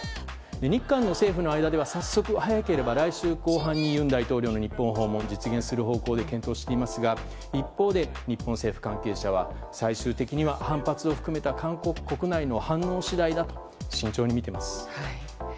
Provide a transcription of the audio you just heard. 日韓の政府の間では、早速早ければ来週後半に尹大統領の日本訪問が実現する方向で検討していますが一方で日本政府関係者は最終的には反発を含めた韓国国内の反応次第だと慎重に見ています。